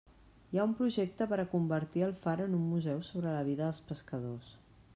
Hi ha un projecte per a convertir el far en un museu sobre la vida dels pescadors.